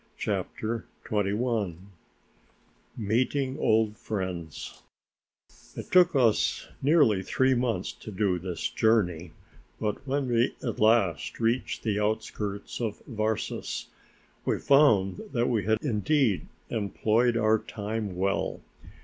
CHAPTER XXI MEETING OLD FRIENDS It took us nearly three months to do this journey, but when at last we reached the outskirts of Varses we found that we had indeed employed our time well.